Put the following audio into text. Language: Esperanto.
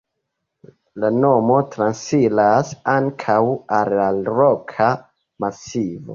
La nomo transiras ankaŭ al la roka masivo.